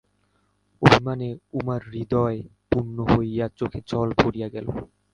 অভিমানে উমার হৃদয় পূর্ণ হইয়া চোখে জল ভরিয়া গেল।